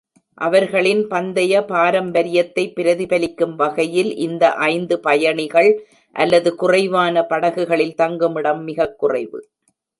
அவர்களின் பந்தய பாரம்பரியத்தை பிரதிபலிக்கும் வகையில், இந்த ஐந்து பயணிகள் அல்லது குறைவான படகுகளில் தங்குமிடம் மிகக் குறைவு.